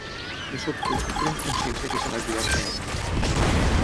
De sobte, prenc consciència que se m'ha girat feina.